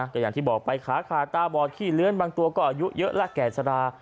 ก็อย่างที่บอกไปขาขาตาบอดขี้เลื้อนบางตัวก็อายุเยอะแล้วแก่ชะดา